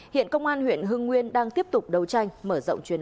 hiện công an huyện hưng nguyên đang tiếp tục đấu tranh mở rộng chuyên án